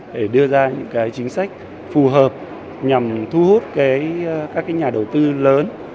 để đưa ra những chính sách phù hợp nhằm thu hút các nhà đầu tư lớn